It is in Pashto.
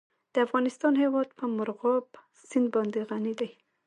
د افغانستان هیواد په مورغاب سیند باندې غني دی.